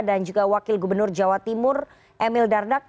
dan juga wakil gubernur jawa timur emil dardak